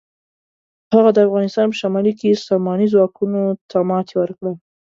هغه د افغانستان په شمالي کې ساماني ځواکونو ته ماتې ورکړه.